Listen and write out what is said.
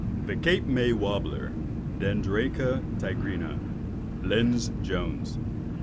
_ THE CAPE MAY WARBLER. (Dendroica tigrina.) LYNDS JONES.